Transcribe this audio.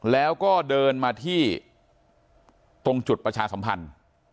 แล้วก็เดินมาที่ตรงจุดประชาสัมพันธ์